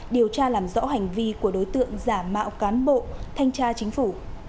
điều tra làm rõ hành vi của đối tượng giả mạo cán bộ thanh tra chính phủ